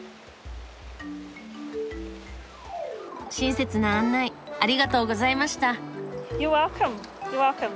親切な案内ありがとうございました。